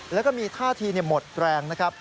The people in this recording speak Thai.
แล้วก็มีท่าทีหมดแรงนะครับ